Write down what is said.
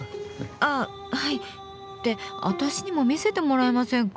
あはいって私にも見せてもらえませんか？